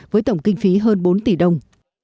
với tổng kinh phí hơn bốn tỷ đồng